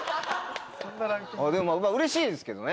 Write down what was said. でもまぁうれしいですけどね